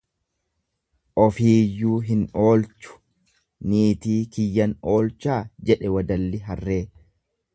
Ofiiyyuu hin oolchuu niitii kiyyan oolchaa jedhe wadalli harree.